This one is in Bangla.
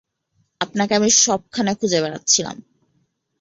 আমি আপনাকে সবখানে খুঁজে বেড়াচ্ছিলাম।